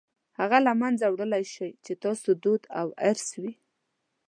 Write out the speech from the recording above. هغه له منځه وړلای شئ چې ستاسو دود او ارث وي.